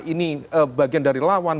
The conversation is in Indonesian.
ini bagian dari lawan